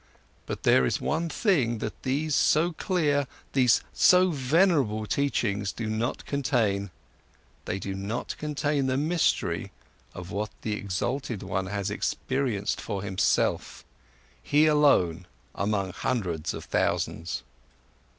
But there is one thing which these so clear, these so venerable teachings do not contain: they do not contain the mystery of what the exalted one has experienced for himself, he alone among hundreds of thousands.